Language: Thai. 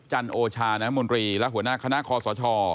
จันโอชาน้ำมนตรีและหัวหน้าคณะคอสช